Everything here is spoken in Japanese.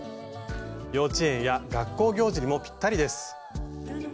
幼稚園や学校行事にもぴったりです。